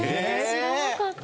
知らなかった。